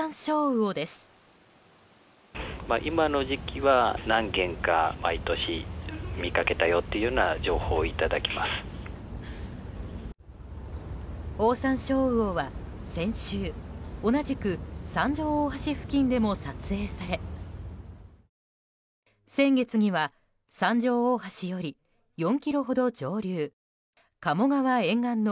オオサンショウウオは先週同じく三条大橋付近でも撮影され先月には三条大橋より４ｋｍほど上流鴨川沿岸の